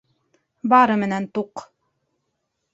Бары менән туҡ.